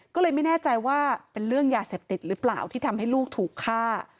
ก็เลยไม่แน่ใจว่าเป็นเรื่องยาเสพติดหรือเปล่าที่ทำให้ลูกถูกฆ่า